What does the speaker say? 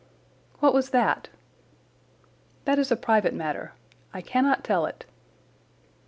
"What was that?" "That is a private matter. I cannot tell it."